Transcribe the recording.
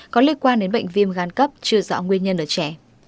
có liên quan đến bệnh viêm gan cấp chưa rõ nguyên nhân ở trẻ